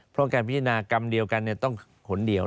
เพราะการพิจารณากรรมเดียวกันต้องขนเดียว